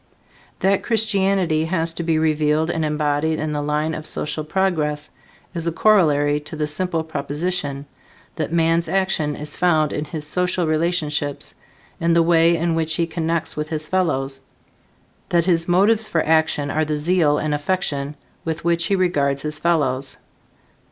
That Christianity has to be revealed and embodied in the line of social progress is a corollary to the simple proposition, that man's action is found in his social relationships in the way in which he connects with his fellows; that his motives for action are the zeal and affection with which he regards his fellows.